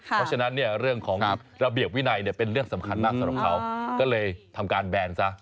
เพราะฉะนั้นเรื่องของระเบียบวินัยเป็นเรื่องสำคัญมากส